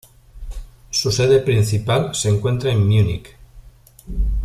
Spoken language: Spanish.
Su sede principal se encuentra en Múnich.